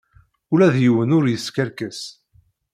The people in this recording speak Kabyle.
Ula d yiwen ur yeskerkes.